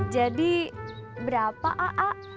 jadi berapa a a